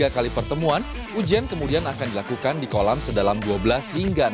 tiga kali pertemuan ujian kemudian akan dilakukan di kolam sedalam dua belas hingga enam belas